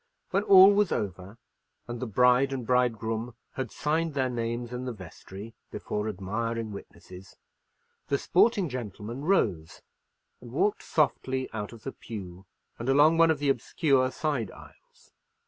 When all was over, and the bride and bridegroom had signed their names in the vestry, before admiring witnesses, the sporting gentleman rose and walked softly out of the pew, and along one of the obscure side aisles.